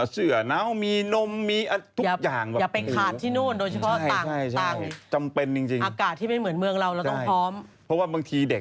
เราต้องพร้อม